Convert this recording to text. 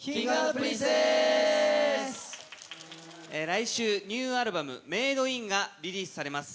来週ニューアルバムがリリースされます。